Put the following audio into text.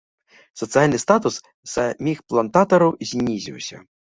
Сацыяльны статус саміх плантатараў знізіўся.